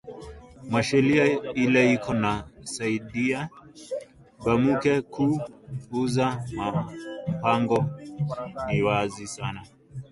Ma sheria ile iko na saidiya banamuke ku uza ma npango ni wazi sana